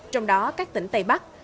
trong đó các tỉnh tây bắc